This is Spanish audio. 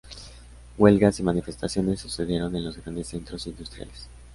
Huelgas y manifestaciones se sucedieron en los grandes centros industriales.